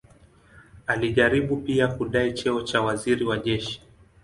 Alijaribu pia kudai cheo cha waziri wa jeshi.